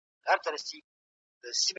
د ټولني اصلاح د مطالعې له لاري کيدای سي.